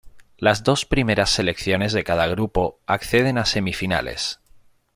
Las dos primeras selecciones de cada grupo acceden a semifinales.